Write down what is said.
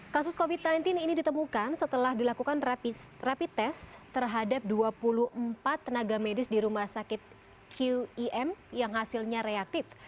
kasus covid sembilan belas ini ditemukan setelah dilakukan rapid test terhadap dua puluh empat tenaga medis di rumah sakit qem yang hasilnya reaktif